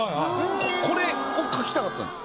これを描きたかったんです。